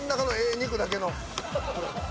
肉だけの。